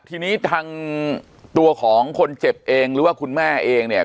ทีนี้ทางตัวของคนเจ็บเองหรือว่าคุณแม่เองเนี่ย